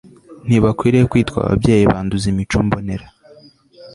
ntibakwiriye kwitwa ababyeyi Banduza imico mbonera